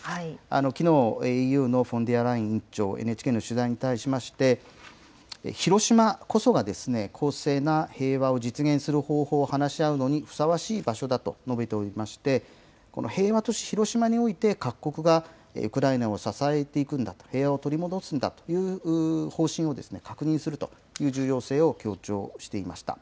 きのう、ＥＵのフォンデアライエン委員長、ＮＨＫの取材に対しまして、広島こそが公正な平和を実現する方法を話し合うのにふさわしい場所だと述べておりまして、この平和都市、広島において、各国がウクライナを支えていくんだと、平和を取り戻すんだという方針を確認するという重要性を強調していました。